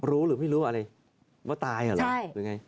รู้หรือไม่รู้อะไรว่าตายหรือไง